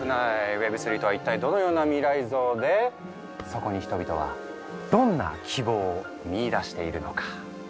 Ｗｅｂ３とはいったいどのような未来像でそこに人々はどんな希望を見いだしているのか。